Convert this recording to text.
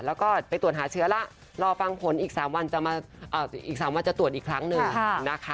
แล้วก็ไปตรวจหาเชื้อแล้วรอฟังผลอีก๓วันอีก๓วันจะตรวจอีกครั้งหนึ่งนะคะ